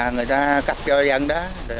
người ta cắt cho dân đó